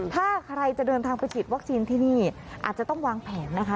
ถ้าใครจะเดินทางไปฉีดวัคซีนที่นี่อาจจะต้องวางแผนนะคะ